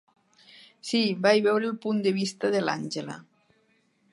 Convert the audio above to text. Sí, vaig veure el punt de vista de l'Àngela.